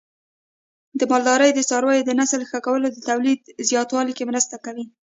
د مالدارۍ د څارویو د نسل ښه کول د تولید زیاتوالي کې مرسته کوي.